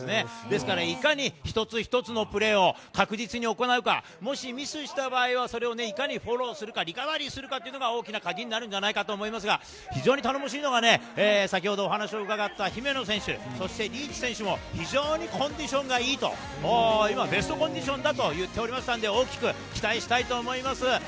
ですから、いかに一つ一つのプレーを確実に行うか、もしミスした場合は、それをいかにフォローするか、リカバリーするかっていうのが大きな鍵になるんじゃないかと思いますが、非常に頼もしいのが先ほど、お話を伺った姫野選手、そしてリーチ選手も、非常にコンディションがいいと、今、ベストコンディションだと言っておりましたので、大きく期待したいと思います。